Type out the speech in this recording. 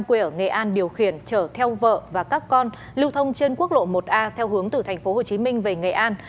quê ở nghệ an điều khiển chở theo vợ và các con lưu thông trên quốc lộ một a theo hướng từ thành phố hồ chí minh về nghệ an